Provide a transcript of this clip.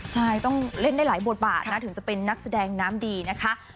ใช่ต้องเล่นได้หลายบทบาทนะถึงจะเป็นนักแสดงน้ำดีนะคะ